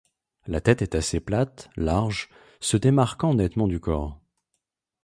La tête est assez plate, large, se démarquant nettement du corps.